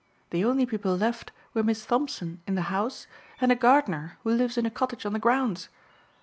The only people left were Miss Thompson in the house and a gardener who lives in a cottage on the grounds.